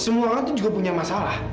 semua orang itu juga punya masalah